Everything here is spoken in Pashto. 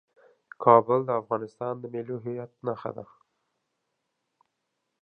کابل د افغانستان د ملي هویت نښه ده.